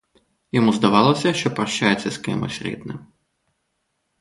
Йому здавалося, що прощається з кимсь рідним.